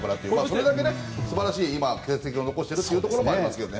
それだけ素晴らしい成績を残しているというところもあります。